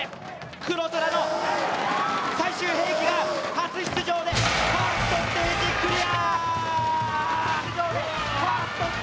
黒虎の最終兵器が初出場でファーストステージクリア！